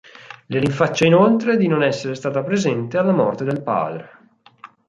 Le rinfaccia inoltre di non essere stata presente alla morte del padre.